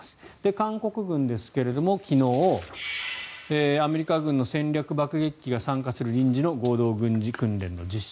韓国軍ですが、昨日アメリカ軍の戦略爆撃機が参加する臨時の合同軍事訓練の実施